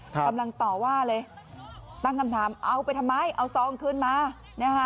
กำลังต่อว่าเลยตั้งคำถามเอาไปทำไมเอาซองคืนมานะคะ